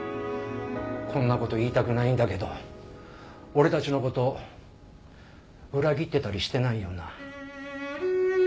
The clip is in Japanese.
こんなこと言いたくないんだけど俺たちのこと裏切ってたりしてないよな？